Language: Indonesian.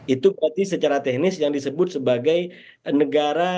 itu berarti secara teknis yang disebut sebagai negara